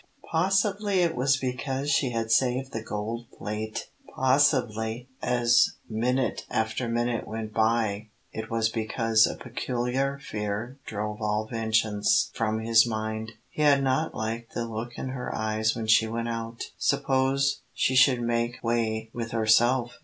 Possibly it was because she had saved the gold plate. Possibly as minute after minute went by it was because a peculiar fear drove all vengeance from his mind. He had not liked the look in her eyes when she went out. Suppose she should make way with herself?